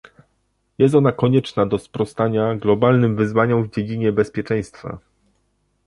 Jest ona konieczna do sprostania globalnym wyzwaniom w dziedzinie bezpieczeństwa